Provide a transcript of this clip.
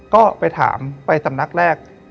ก็ไปถามไปสำนักแรก